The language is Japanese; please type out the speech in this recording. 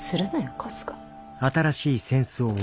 春日。